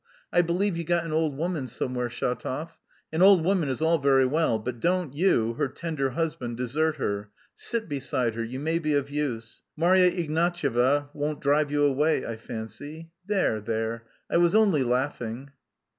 I believe you got an old woman somewhere, Shatov; an old woman is all very well, but don't you, her tender husband, desert her; sit beside her, you may be of use; Marya Ignatyevna won't drive you away, I fancy.... There, there, I was only laughing."